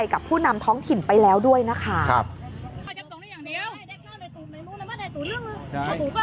ก็ไม่มีอำนาจ